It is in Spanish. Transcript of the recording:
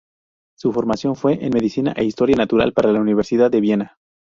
Su formación fue en medicina e historia natural por la Universidad de Viena.